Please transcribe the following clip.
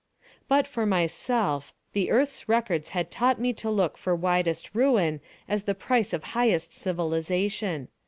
But, for myself, the Earth's records had taught me to look for widest ruin as the price of highest civilization.